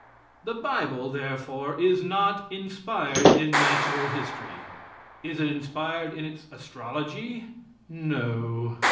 The Bible, therefore, is not inspired in natural history. Is it inspired in its astrology? No.